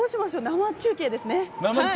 生中継ですね。